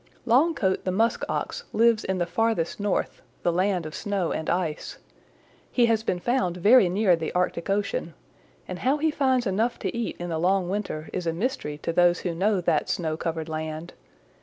"Longcoat the Musk Ox lives in the Farthest North, the land of snow and ice. He has been found very near the Arctic Ocean, and how he finds enough to eat in the long winter is a mystery to those who know that snow covered land.